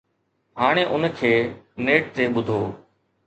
هاڻي ان کي نيٽ تي ٻڌو.